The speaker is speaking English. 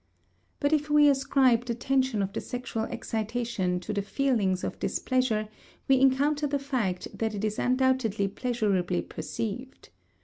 But if we ascribe the tension of the sexual excitation to the feelings of displeasure we encounter the fact that it is undoubtedly pleasurably perceived.